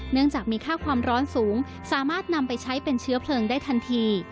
เนื่องจากมีค่าความร้อนสูงสามารถนำไปใช้เป็นเชื้อเพลิงได้ทันที